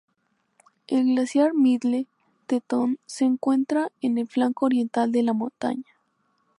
El glaciar Middle Teton se encuentra en el flanco oriental de la montaña.